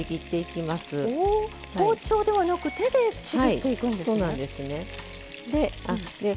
包丁ではなく手でちぎっていくんですね。